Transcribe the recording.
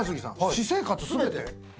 「私生活全て」